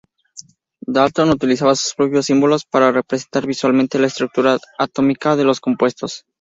Dalton utiliza sus propios símbolos para representar visualmente la estructura atómica de los compuestos.